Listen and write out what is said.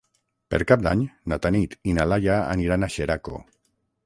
Per Cap d'Any na Tanit i na Laia aniran a Xeraco.